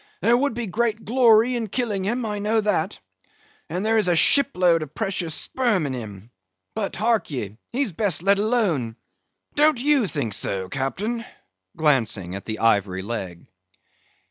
There would be great glory in killing him, I know that; and there is a ship load of precious sperm in him, but, hark ye, he's best let alone; don't you think so, Captain?"—glancing at the ivory leg.